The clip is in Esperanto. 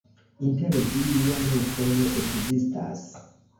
Inter vi mia loko ne ekzistas.